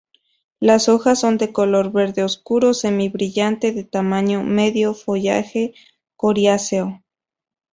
Las hojas son de color verde oscuro semi brillante de tamaño medio, follaje coriáceo.